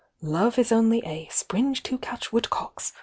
Love is only 'a sSS to catch woodcocks!'